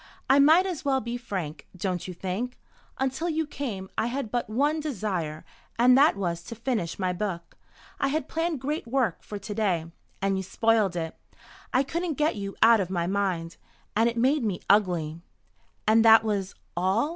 "I might as well be frank, don't you think? Until you came I had but one desire, and that was to finish my book. I had planned great work for to day. And you spoiled it. I couldn't get you out of my mind. And it made me ugly." "And that was all?"